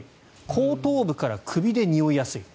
後頭部から首でにおいやすい。